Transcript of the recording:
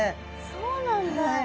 そうなんだ。